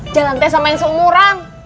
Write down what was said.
jalan teh sama yang sama orang